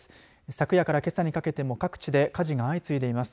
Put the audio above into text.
昨夜からけさにかけても各地で火事が相次いでいます。